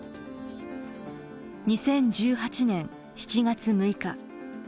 ２０１８年７月６日。